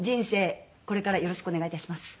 これからよろしくお願いいたします。